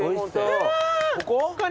・ここ？